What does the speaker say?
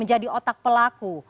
menjadi otak pelaku